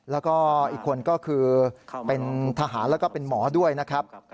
แล้วก็อีกคนก็คือเป็นทหารแล้วก็เป็นหมอด้วยนะครับ